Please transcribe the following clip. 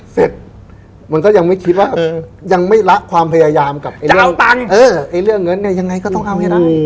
เสร็จมันก็ยังไม่คิดว่ายังไม่ละความพยายามกับไอ้ตังค์เรื่องเงินเนี่ยยังไงก็ต้องเอาให้นะ